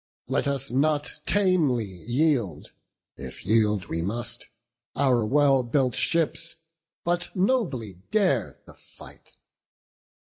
Let us not tamely yield, if yield we must, Our well built ships, but nobly dare the fight."